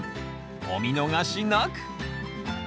お見逃しなく。